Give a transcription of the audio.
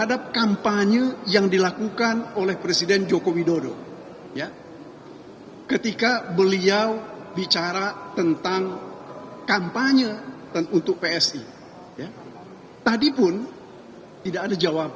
ini menunjukkan bahwa mereka tidak berani atau biaya mengambil dua modal nah financial